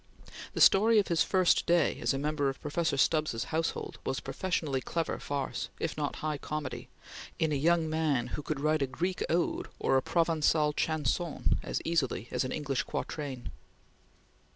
The story of his first day as a member of Professor Stubbs's household was professionally clever farce, if not high comedy, in a young man who could write a Greek ode or a Provençal chanson as easily as an English quatrain.